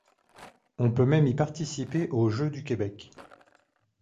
On peut même y participer aux Jeux du Québec.